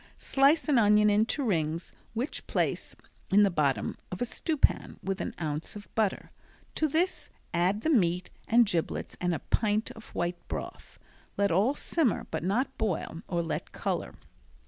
Slice an onion into rings which place in the bottom of a stewpan with an ounce of butter. To this add the meat and giblets and a pint of white broth. Let all simmer but not boil or let color.